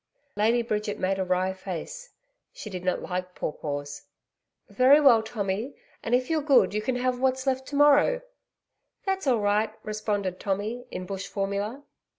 Lady Bridget made a wry face she did not like pawpaws. 'Very well, Tommy, and if you're good you can have what's left tomorrow.' 'That's all right,' responded Tommy in bush formula.